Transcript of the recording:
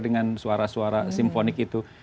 dengan suara suara simfonik itu